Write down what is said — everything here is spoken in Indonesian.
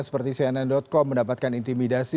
seperti cnn com mendapatkan intimidasi